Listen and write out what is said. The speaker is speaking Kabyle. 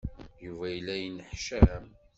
Yuba yella yenneḥcam.